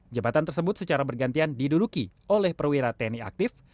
jabatan tersebut secara bergantian diduduki oleh perwira tni aktif